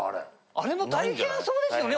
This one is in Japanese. あれも大変そうですよね。